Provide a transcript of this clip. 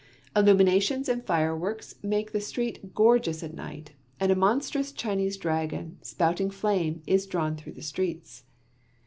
Illuminations and fireworks make the streets gorgeous at night, and a monstrous Chinese dragon, spouting flame, is drawn through the streets.